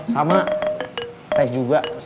sama teh juga